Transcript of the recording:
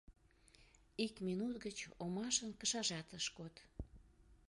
Ик минут гыч омашын кышажат ыш код.